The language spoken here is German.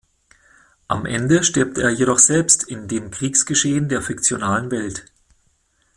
Am Ende stirbt er jedoch selbst in dem Kriegsgeschehen der fiktionalen Welt.